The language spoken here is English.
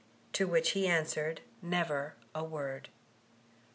To which he answered never a word.